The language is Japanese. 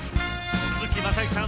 鈴木雅之さん